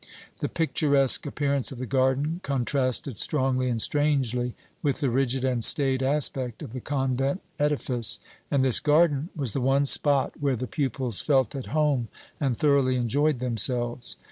The picturesque appearance of the garden contrasted strongly and strangely with the rigid and staid aspect of the convent edifice, and this garden was the one spot where the pupils felt at home and thoroughly enjoyed themselves.